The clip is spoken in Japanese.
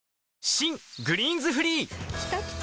新「グリーンズフリー」きたきた！